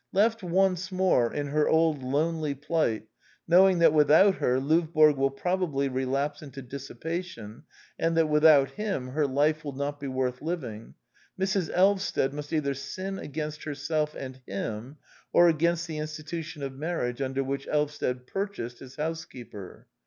Left once more in her old lonely plight, knowing that without her Lovborg will probably relapse into dissipation, and that without him her life will not be worth living, Mrs. Elvsted must either sin against herself and him or against the institution of marriage under which Elvsted purchased his housekeeper.